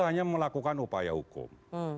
hanya melakukan upaya hukum